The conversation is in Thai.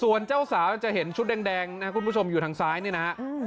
ส่วนเจ้าสาวจะเห็นชุดแดงนะครับคุณผู้ชมอยู่ทางซ้ายเนี่ยนะฮะ